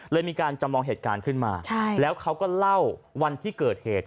มีการจำลองเหตุการณ์ขึ้นมาแล้วเขาก็เล่าวันที่เกิดเหตุ